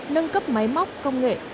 nâng cấp máy móc công nghệ